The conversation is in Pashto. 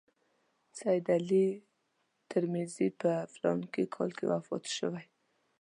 سید علي ترمذي په فلاني کال کې وفات شوی.